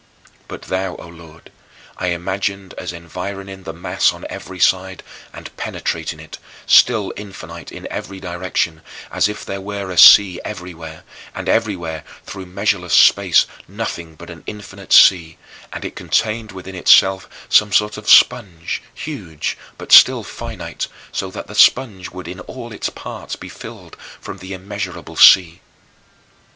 But thou, O Lord, I imagined as environing the mass on every side and penetrating it, still infinite in every direction as if there were a sea everywhere, and everywhere through measureless space nothing but an infinite sea; and it contained within itself some sort of sponge, huge but still finite, so that the sponge would in all its parts be filled from the immeasurable sea.